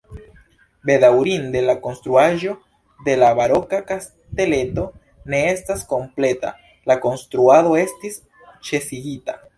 Bedaŭrinde la konstruaĵo de la baroka kasteleto ne estas kompleta, la konstruado estis ĉesigita.